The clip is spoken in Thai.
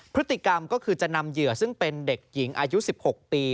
พฤติกรรมก็คือจะนำเหยื่อซึ่งเป็นเด็กหญิงอายุ๑๖ปี